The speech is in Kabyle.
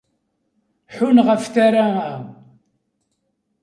Ḥunn ɣef tara-a.